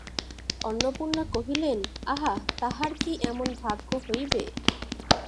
অন্নপূর্ণা কহিলেন, আহা, তাহার কি এমন ভাগ্য হইবে।